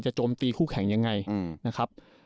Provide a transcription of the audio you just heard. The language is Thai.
โจมตีคู่แข่งยังไงนะครับ